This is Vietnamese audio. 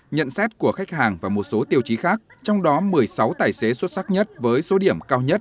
nhận xét của khách hàng và một số tiêu chí khác trong đó một mươi sáu tài xế xuất sắc nhất với số điểm cao nhất